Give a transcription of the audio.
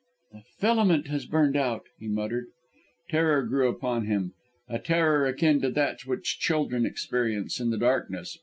"The filament has burnt out," he muttered. Terror grew upon him a terror akin to that which children experience in the darkness.